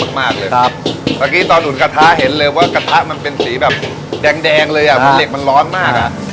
มากมากเลยครับตอนหนูกระทะเห็นเลยว่ากระทะมันเป็นสีแบบแดงเลยอ่ะอ่านเรียบร้อนมากอ่ะ